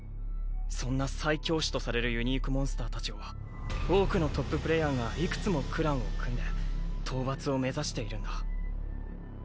そんな最強種とされるユニークモンスターたちを多くのトッププレイヤーがいくつもクランを組んで討伐を目指しているんだ。